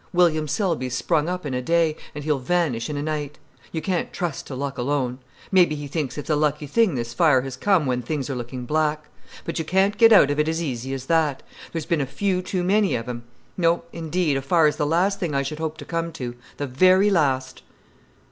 William Selby's sprung up in a day, and he'll vanish in a night. You can't trust to luck alone. Maybe he thinks it's a lucky thing this fire has come when things are looking black. But you can't get out of it as easy as that. There's been a few too many of 'em. No, indeed, a fire's the last thing I should hope to come to—the very last!"